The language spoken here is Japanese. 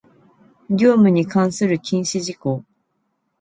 業務に関する禁止事項